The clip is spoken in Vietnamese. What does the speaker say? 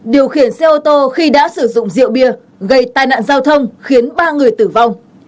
điều khiển xe ô tô khi đã sử dụng rượu bia gây tai nạn giao thông khiến ba người tử vong